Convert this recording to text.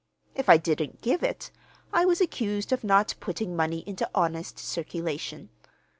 If I didn't give it, I was accused of not putting money into honest circulation.